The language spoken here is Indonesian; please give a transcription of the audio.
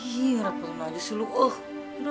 ih ngerepeun aja sih lu